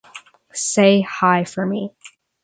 Say hi for me.